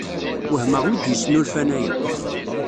Wehmeɣ wi d-yesnulfan aya.